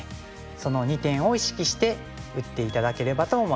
その２点を意識して打って頂ければと思います。